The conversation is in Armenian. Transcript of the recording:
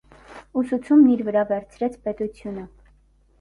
Ուսուցումն իր վրա վերցրեց պետությունը։